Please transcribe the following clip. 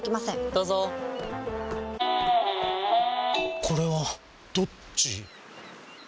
どうぞこれはどっち？